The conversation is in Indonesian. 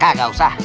kaka gak usah